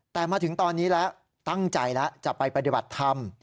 แต่มาถึงตอนนี้แล้วตั้งใจแล้วจะไปปฏิบัติธรรม